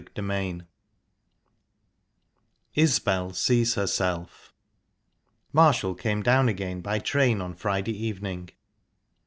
Chapter V ISBEL SEES HERSELF Marshall came down again by train on Friday evening.